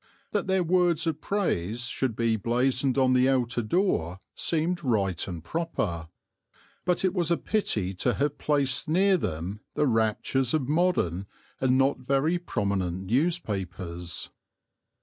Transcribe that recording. That their words of praise should be blazoned on the outer door seemed right and proper; but it was a pity to have placed near them the raptures of modern and not very prominent newspapers.